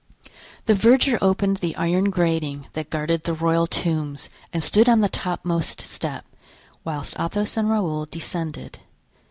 The verger opened the iron grating that guarded the royal tombs and stood on the topmost step, whilst Athos and Raoul descended.